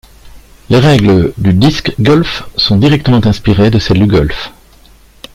Les règles du disc golf sont directement inspirées de celles du golf.